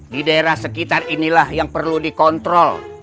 di daerah sekitar inilah yang perlu dikontrol